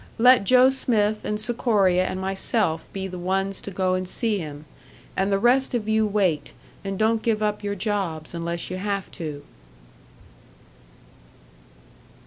Let Joe Smith and Sikoria and myself be the ones to go and see him, and the rest of you wait, and don't give up your jobs unless you have to."